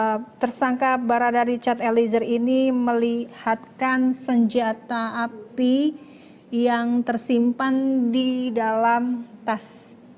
ya kita lihat bagaimana tersangka barada richard elizer ini melihatkan senjata api yang tersimpan di dalam brief